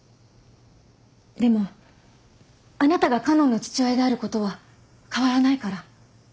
でもあなたが花音の父親であることは変わらないから。